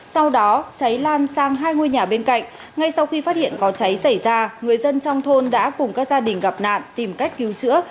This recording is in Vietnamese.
sau đó cháy lan sang hai ngôi nhà bên cạnh ngay sau khi phát hiện có cháy xảy ra người dân trong thôn đã cùng các gia đình gặp nạn tìm cách cứu chữa